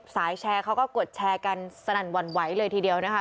แชร์แชร์เขาก็กดแชร์กันสนั่นหวั่นไหวเลยทีเดียวนะคะ